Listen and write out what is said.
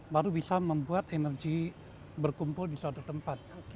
baru bisa membuat energi berkumpul di suatu tempat